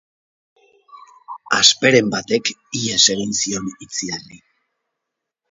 Hasperen batek ihes egin zion Itziarri.